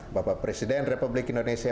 bapak presiden republik indonesia